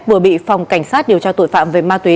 vừa bị phòng cảnh sát điều tra tội phạm về ma túy